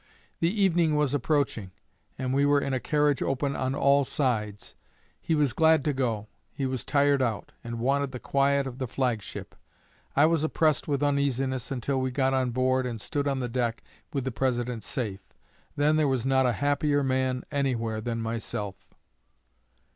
The evening was approaching, and we were in a carriage open on all sides. He was glad to go; he was tired out, and wanted the quiet of the flag ship. I was oppressed with uneasiness until we got on board and stood on the deck with the President safe; then there was not a happier man anywhere than myself."